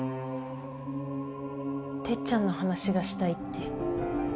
てっちゃんの話がしたいって。